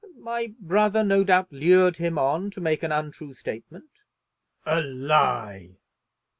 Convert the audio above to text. "My brother no doubt lured him on to make an untrue statement." "A lie!"